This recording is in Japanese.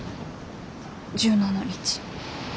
１７日。